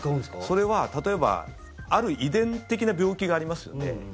それは例えばある遺伝的な病気がありますよね